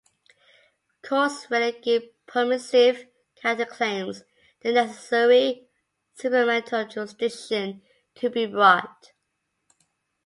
Courts rarely give permissive counterclaims the necessary supplemental jurisdiction to be brought.